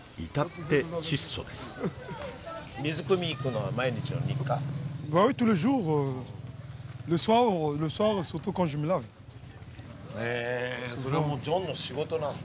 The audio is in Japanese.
へえそれはもうジョンの仕事なんだな。